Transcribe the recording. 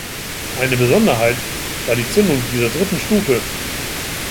Eine Besonderheit war die Zündung dieser dritten Stufe.